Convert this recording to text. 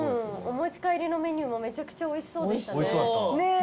お持ち帰りのメニューもめちゃくちゃおいしそうでしたね。